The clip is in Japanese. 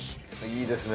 いいですね。